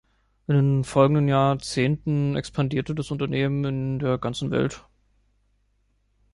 In den folgenden Jahrzehnten expandierte das Unternehmen in der ganzen Welt.